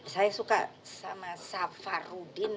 saya suka sama safarudin